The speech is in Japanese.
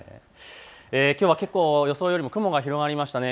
きょうは予想よりも雲が広がりましたね。